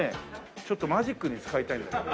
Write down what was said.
ちょっとマジックに使いたいんだけど。